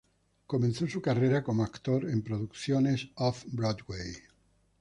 Comenzó su carrera como actor en producciones off-Broadway.